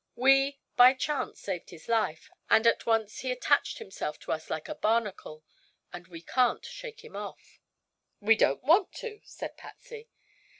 We, by chance saved his life, and at once he attached himself to us like a barnacle, and we can't shake him off." "We don't want to," said Patsy.